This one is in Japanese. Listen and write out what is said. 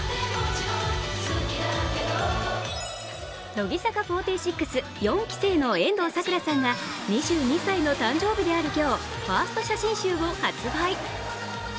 乃木坂４６、４期生の遠藤さくらさんが２２歳の誕生日である今日ファースト写真集を発売。